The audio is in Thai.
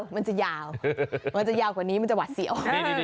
มันจะยาวมันจะยาวกว่านี้มันจะหวัดเสียว